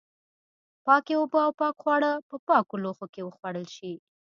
پاکې اوبه او پاک خواړه په پاکو لوښو کې وخوړل شي.